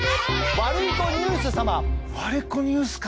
ワルイコニュースか。